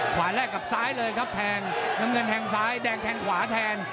แลกกับซ้ายเลยครับแทงน้ำเงินแทงซ้ายแดงแทงขวาแทน